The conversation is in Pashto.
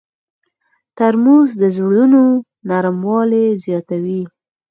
ترموز د زړونو نرموالی زیاتوي.